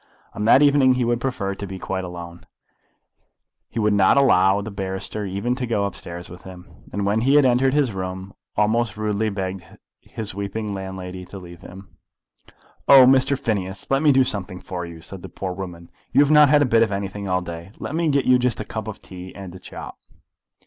On that evening he would prefer to be quite alone. He would not allow the barrister even to go upstairs with him; and when he had entered his room, almost rudely begged his weeping landlady to leave him. "Oh, Mr. Phineas, let me do something for you," said the poor woman. "You have not had a bit of anything all day. Let me get you just a cup of tea and a chop."